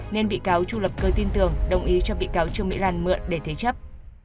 nên bị cáo chu lập cơ tin tưởng đồng ý cho bị cáo trương mỹ lan mượn để thế chấp